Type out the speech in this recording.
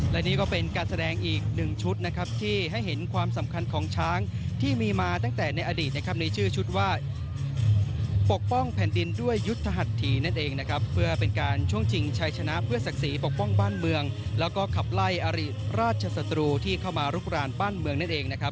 และนี่ก็เป็นการแสดงอีกหนึ่งชุดนะครับที่ให้เห็นความสำคัญของช้างที่มีมาตั้งแต่ในอดีตนะครับในชื่อชุดว่าปกป้องแผ่นดินด้วยยุทธหัสถีนั่นเองนะครับเพื่อเป็นการช่วงชิงชัยชนะเพื่อศักดิ์ศรีปกป้องบ้านเมืองแล้วก็ขับไล่อดีตราชศัตรูที่เข้ามาลุกรานบ้านเมืองนั่นเองนะครับ